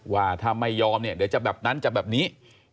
ว่าถ้าไม่ยอมเนี่ยเดี๋ยวจะแบบนั้นจะแบบนี้